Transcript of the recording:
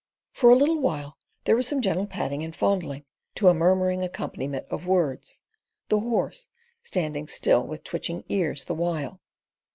For a little while there was some gentle patting and fondling, to a murmuring accompaniment of words the horse standing still with twitching ears the while.